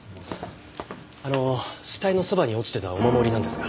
あの死体のそばに落ちてたお守りなんですが。